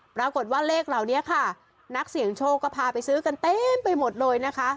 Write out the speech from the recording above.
ปรากฏว่าเลขเหล่านี้ค่ะนักเสี่ยงโชคก็พาไปซื้อกันเต็มไปหมดเลยนะคะ